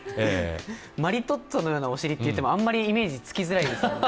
マリトッツォのようなお尻って言われてもあんまりイメージつきづらいですよね。